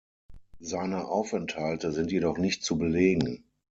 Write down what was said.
Seine Aufenthalte sind jedoch nicht zu belegen.